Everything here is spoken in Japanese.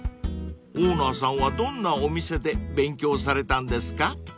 ［オーナーさんはどんなお店で勉強されたんですか？］